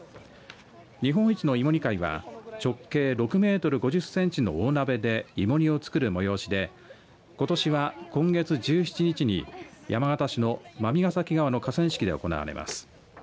日本一の芋煮会は直径６メートル５０センチの大鍋で芋煮を作る催しでことしは今月１７日に山形市の馬見ヶ崎川の河川敷で行われます。